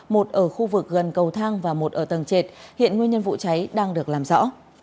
một ở khu vực gần cầu thang và một ở tầng trệt hiện nguyên nhân vụ cháy đang được làm rõ